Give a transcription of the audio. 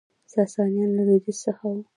ساسانیان له لویدیځ څخه